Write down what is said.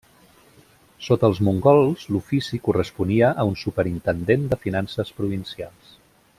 Sota els mongols l'ofici corresponia a un superintendent de finances provincials.